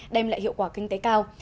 đem lại hiệu quả kinh tế cao